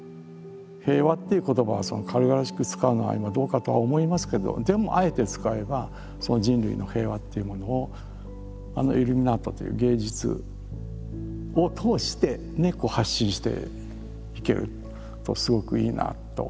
「平和」っていう言葉を軽々しく使うのは今どうかとは思いますけどでもあえて使えば人類の平和っていうものをあのイルミナートという芸術を通して発信していけるとすごくいいなと。